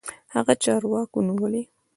هغه چارواکو نيولى.